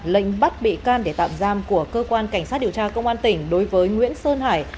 lệnh bắt bị can để tạm giam của cơ quan cảnh sát điều tra công an tỉnh đối với nguyễn sơn hải